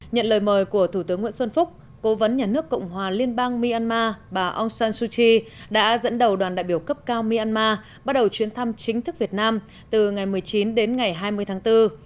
nhận lời mời của thủ tướng nguyễn xuân phúc cố vấn nhà nước cộng hòa liên bang myanmar bà aung san suu kyi đã dẫn đầu đoàn đại biểu cấp cao myanmar bắt đầu chuyến thăm chính thức việt nam từ ngày một mươi chín đến ngày hai mươi tháng bốn